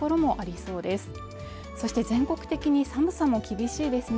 そして全国的に寒さも厳しいですね